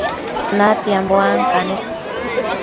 natianbo ancanec